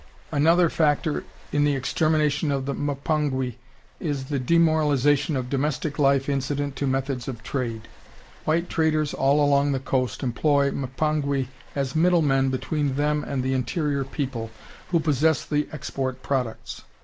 Another factor in the extermination of the Mpongwe is the demoralization of domestic life incident to methods of trade.... White traders all along the coast employ the Mpongwe as middlemen between them and the interior people, who possess the export products.